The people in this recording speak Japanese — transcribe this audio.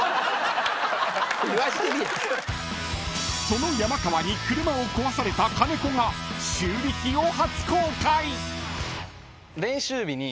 ［その山川に車を壊された金子が修理費を初公開］